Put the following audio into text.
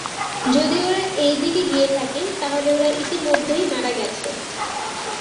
যদি ওরা এইদিকে গিয়ে থাকে, তাহলে, ওরা ইতিমধ্যেই মারা গেছে।